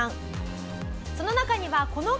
その中にはこの方の姿も！